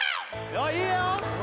よっいいよ！